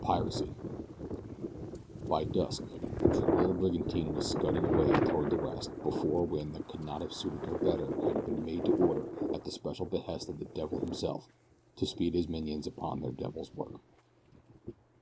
PIRACY BY DUSK the trim little brigantine was scudding away toward the west before a wind that could not have suited her better had it been made to order at the special behest of the devil himself to speed his minions upon their devil's work.